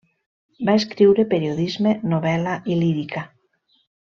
Va escriure periodisme, novel·la i lírica.